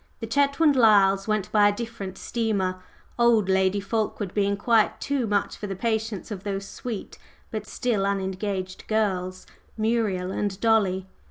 The Chetwynd Lyles went by a different steamer, "old" Lady Fulkeward being quite too much for the patience of those sweet but still unengaged "girls" Muriel and Dolly.